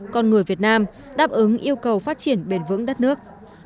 con người việt nam đáp ứng yêu cầu phát triển bền vững đất nước